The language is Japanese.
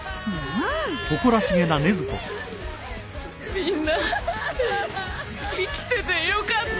みんな生きててよかった。